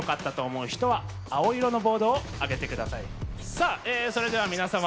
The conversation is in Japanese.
さあそれでは皆様。